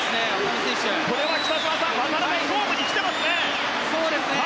渡辺、勝負に来ていますね。